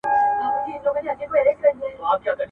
په حيرت حيرت پاچا ځان ته كتله .